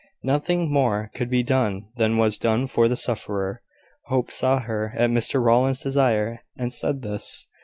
Nothing more could be done than was done for the sufferer. Hope saw her, at Mr Rowland's desire, and said this.